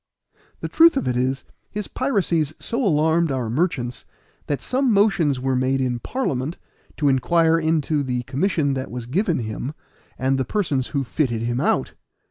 The truth of it is, his piracies so alarmed our merchants that some motions were made in Parliament, to inquire into the commission that was given him, and the persons who fitted him out.